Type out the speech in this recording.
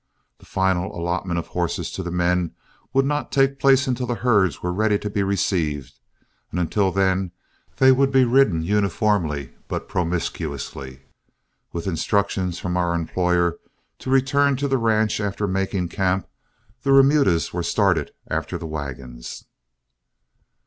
The final allotment of horses to the men would not take place until the herds were ready to be received, and until then, they would be ridden uniformly but promiscuously. With instructions from our employer to return to the ranch after making camp, the remudas were started after the wagons.